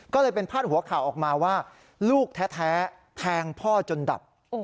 ก็เลยเป็นพาดหัวข่าวออกมาว่าลูกแท้แทงพ่อจนดับ